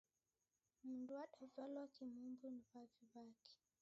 Mundu wadavalwa kimumbi ni w'avi w'ake